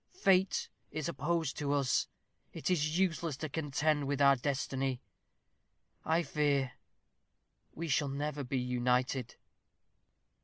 Fate is opposed to us. It is useless to contend with our destiny. I fear we shall never be united."